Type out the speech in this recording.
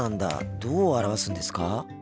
どう表すんですか？